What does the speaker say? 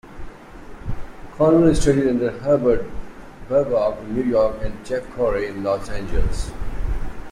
Conwell studied under Herbert Berghof in New York and Jeff Corey in Los Angeles.